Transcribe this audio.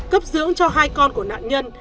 cấp dưỡng cho hai con của nạn nhân